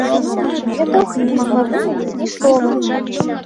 Я доўга не магла вымавіць ні слова.